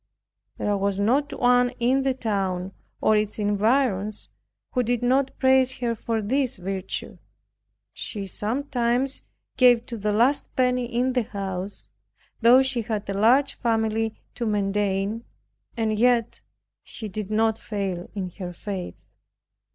There was not one in the town, or its environs, who did not praise her for this virtue. She sometimes gave to the last penny in the house, though she had a large family to maintain, and yet she did not fail in her faith.